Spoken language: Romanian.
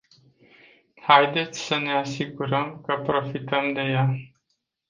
Haideți să ne asigurăm că profităm de ea.